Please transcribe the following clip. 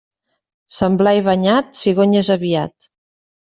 Sant Blai banyat, cigonyes aviat.